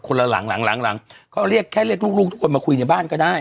ละหลังหลังหลังก็เรียกแค่เรียกลูกทุกคนมาคุยในบ้านก็ได้